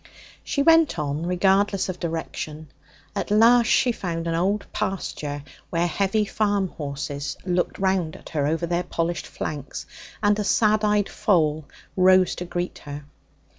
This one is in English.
She went on, regardless of direction. At last she found an old pasture where heavy farm horses looked round at her over their polished flanks and a sad eyed foal rose to greet her.